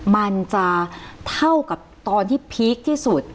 มันจะเท่ากับตอนที่พีคที่สุด